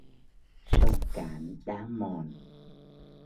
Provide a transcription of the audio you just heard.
Sông cạn đá mòn